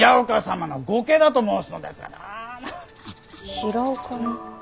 平岡の。